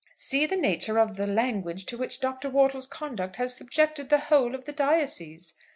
"See the nature of the language to which Dr. Wortle's conduct has subjected the whole of the diocese!"